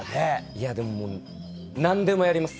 いやでももう何でもやります